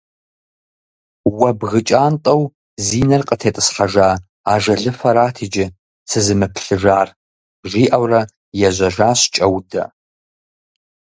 Уэ бгы кӀантӀэу зи нэр къытетӀысхьэжа ажалыфэрат иджы сэ сызымыплъыжар! - жиӀэурэ ежьэжащ КӀэудэ.